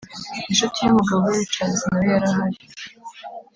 inshuti y'umugabo we richards nawe yari ahari,